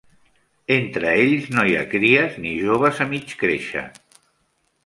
Entre ells no hi ha cries ni joves a mig créixer.